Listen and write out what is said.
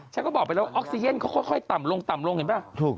ฉันก็บอกไปแล้วออกซีเยนเขาค่อยต่ำลงลงเห็นไหม